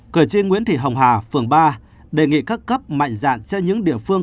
cửa chi nguyễn thị hồng hà phường ba đề nghị các cấp mạnh dạng cho những địa phương